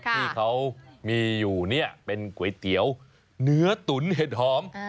ที่เขามีอยู่เนี่ยเป็นก๋วยเตี๋ยวเนื้อตุ๋นเห็ดหอม